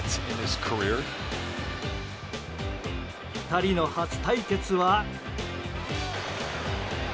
２人の初対決は。